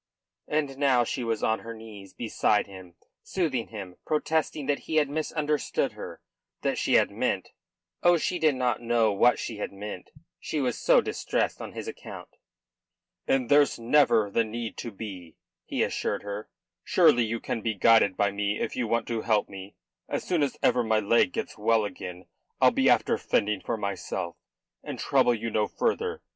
And now she was on her knees beside him, soothing him; protesting that he had misunderstood her; that she had meant oh, she didn't know what she had meant, she was so distressed on his account. "And there's never the need to be," he assured her. "Surely you can be guided by me if you want to help me. As soon as ever my leg gets well again I'll be after fending for myself, and trouble you no further.